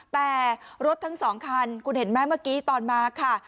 แต่รถทั้งสองคันคุณเห็นไหมเมื่อกี้ตอนมาค่ะ